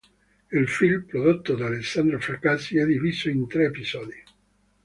Il film, prodotto da Alessandro Fracassi, è diviso in tre episodi.